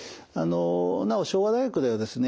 なお昭和大学ではですね